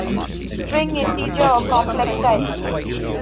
String, Integer, or complex types.